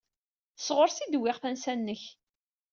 Sɣur-s ay d-wwiɣ tansa-nnek.